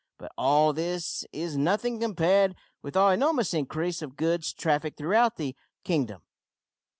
But all this is nothing compared with our enormous increase of goods traffic throughout the kingdom.